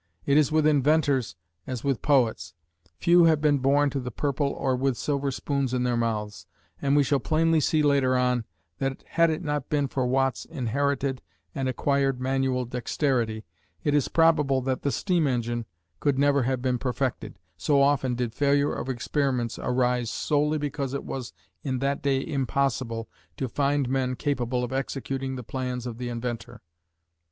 It is with inventors as with poets; few have been born to the purple or with silver spoons in their mouths, and we shall plainly see later on that had it not been for Watt's inherited and acquired manual dexterity, it is probable that the steam engine could never have been perfected, so often did failure of experiments arise solely because it was in that day impossible to find men capable of executing the plans of the inventor.